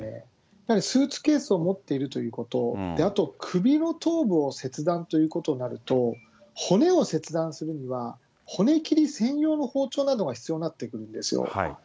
やはりスーツケースを持っているということ、あと首を、頭部を切断ということになると、骨を切断するには、骨切り専用の包丁などが必要になってくるんですよ。